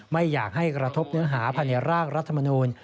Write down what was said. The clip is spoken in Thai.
ไม่อยากให้กระทบเนื้อหาภายในร่างรัฐมนูล